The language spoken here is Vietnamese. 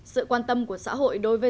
sự quan tâm của xã hội đối với